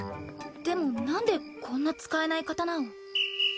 でも何でこんな使えない刀を。